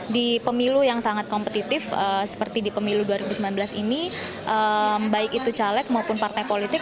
di pemilu yang sangat kompetitif seperti di pemilu dua ribu sembilan belas ini baik itu caleg maupun partai politik